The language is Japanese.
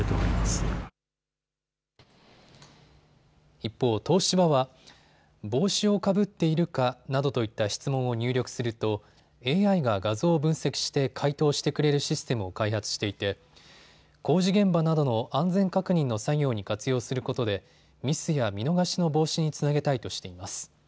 一方、東芝は帽子をかぶっているかなどといった質問を入力するとＡＩが画像を分析して回答してくれるシステムを開発していて工事現場などの安全確認の作業に活用することでミスや見逃しの防止につなげたいとしています。